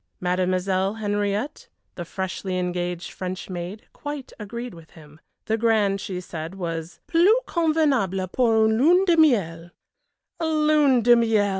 Mademoiselle Henriette, the freshly engaged French maid, quite agreed with him. The Grand, she said, was "plus convenable pour une lune de Miel " Lune de Miel!